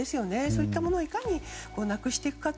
そういったものをいかになくしていくか。